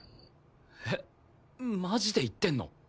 えっマジで言ってんの？